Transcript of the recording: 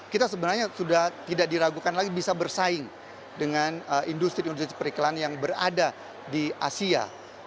kita sebenarnya sudah tidak diragukan lagi bisa bersaing dengan industri industri periklan yang berada di asia